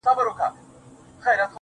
• نسه ـ نسه جام د سوما لیري کړي_